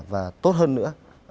và tốt hơn nữa